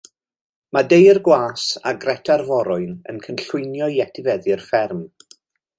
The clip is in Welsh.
Mae Dei'r gwas a Greta'r forwyn yn cynllwynio i etifeddu'r fferm.